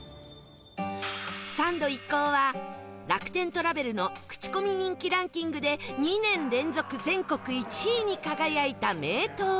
サンド一行は楽天トラベルの口コミ人気ランキングで２年連続全国１位に輝いた名湯へ